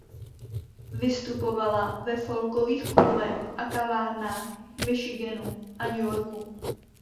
Vystupovala ve folkových klubech a kavárnách v Michiganu a New Yorku.